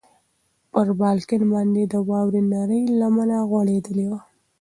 پر بالکن باندې د واورې نرۍ لمنه غوړېدلې وه.